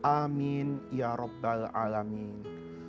amin ya rabbal alamin